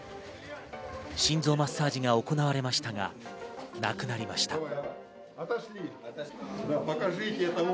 心臓マッサージが行われましたが亡くなりました。